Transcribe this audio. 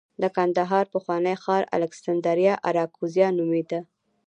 د کندهار پخوانی ښار الکسندریه اراکوزیا نومېده